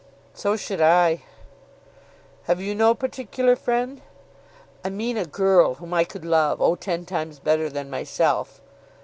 "So should I." "Have you no particular friend?" "I mean a girl whom I could love, oh, ten times better than myself."